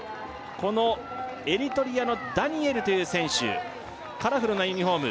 このエリトリアのダニエルという選手カラフルなユニフォーム